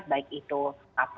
baik itu kapal